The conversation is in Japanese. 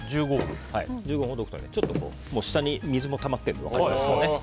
１５分ほど置くとちょっと下に水がたまっているのが分かりますよね。